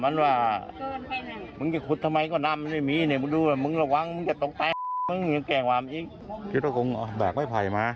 อยู่ทะกงแบบไม้ไผ่มา